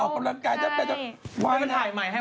ให้มาถ่ายใหม่ให้มาถ่ายใหม่